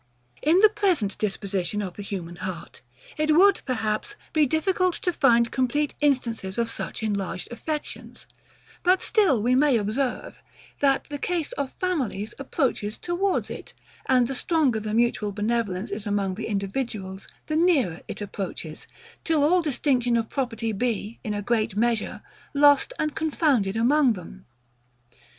In the present disposition of the human heart, it would, perhaps, be difficult to find complete instances of such enlarged affections; but still we may observe, that the case of families approaches towards it; and the stronger the mutual benevolence is among the individuals, the nearer it approaches; till all distinction of property be, in a great measure, lost and confounded among them.